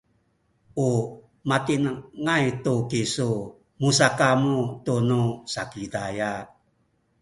u matinengay tu kisu musakamu tunu Sakizaya